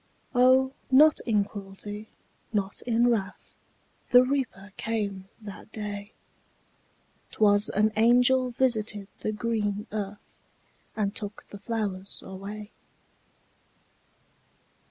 O, not in cruelty, not in wrath, The Reaper came that day; 'Twas an angel visited the green earth, And took the flowers away.